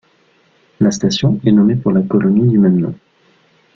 La station est nommé pour la colonie du même nom.